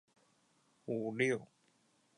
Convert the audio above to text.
琼崖穴子蕨为禾叶蕨科穴子蕨属下的一个种。